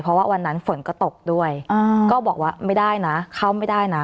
เพราะว่าวันนั้นฝนก็ตกด้วยก็บอกว่าไม่ได้นะเข้าไม่ได้นะ